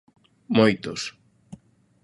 Moitos.